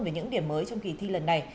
về những điểm mới trong kỳ thi lần này